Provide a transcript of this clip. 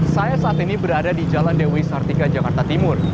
saya saat ini berada di jalan dewi sartika jakarta timur